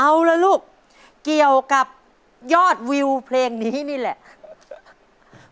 เอาละลูกเกี่ยวกับยอดวิวเพลงนี้นี่แหละ